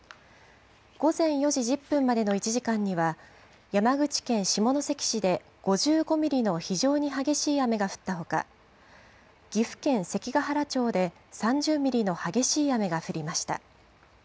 午前４時１０分までの１時間には、山口県下関市で５５ミリの非常に激しい雨が降ったほか、岐阜県関ケ原町で３０ミリの激しい雨が降りました。